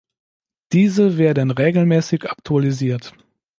Diese werden regelmäßig aktualisiert.